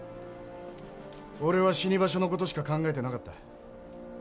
俺は死に場所の事しか考えてなかった。